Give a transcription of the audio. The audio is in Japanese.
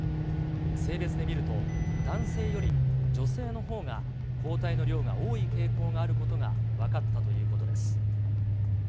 性別で見ると、男性より女性のほうが、抗体の量が多い傾向があることが分かったということです。